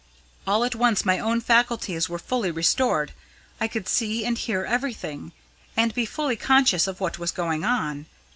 "All at once my own faculties were fully restored; I could see and hear everything, and be fully conscious of what was going on.